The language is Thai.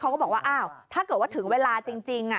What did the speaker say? เขาก็บอกว่าถ้าเกิดว่าถึงเวลาจริง